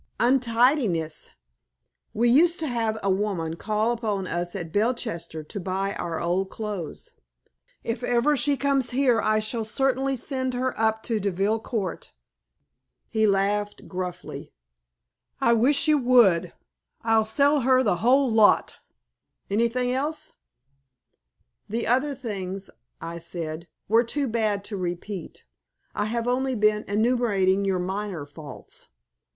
"Untidiness! We used to have a woman call upon us at Belchester to buy our old clothes. If ever she comes here I shall certainly send her up to Deville Court." He laughed gruffly. "I wish you would; I'd sell her the whole lot. Anything else?" "The other things," I said, "were too bad to repeat. I have only been enumerating your minor faults."